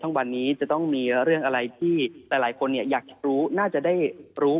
วันนี้จะต้องมีเรื่องอะไรที่หลายคนอยากรู้น่าจะได้รู้